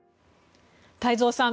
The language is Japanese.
太蔵さん